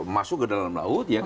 masuk ke dalam laut ya